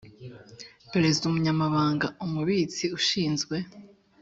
Perezida Umunyamabanga Umubitsi Ushinzwe